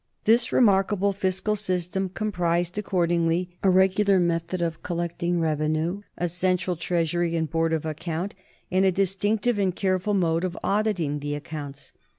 This remarkable fiscal system comprised accordingly a regular method of collecting revenue, a central treas ury and board of account, and a distinctive and care ful mode of auditing the accounts.